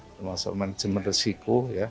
termasuk manajemen risiko